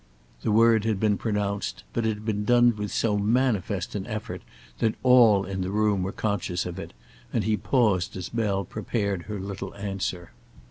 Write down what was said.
The word had been pronounced, but it had been done with so manifest an effort that all in the room were conscious of it, and paused as Bell prepared her little answer.